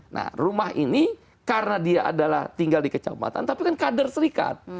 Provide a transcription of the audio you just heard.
nah rumah ini karena dia adalah tinggal di kecamatan tapi kan kader serikat